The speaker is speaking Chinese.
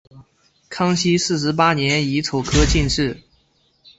康熙四十八年己丑科进士。